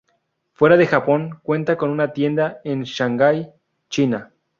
Fuera de Japón cuentan con una tienda en Shanghái, China.